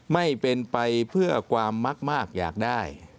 ไม่เป็นไปเพื่อความมักมากอยากได้